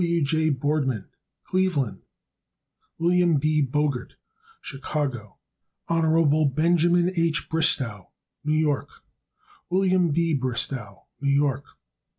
W. J. Boardman, Cleveland, Ohio. Wm. B. Bogert, Chicago, Ill. Hon. Benj. H. Bristow, New York. Wm. B. Bristow, New York.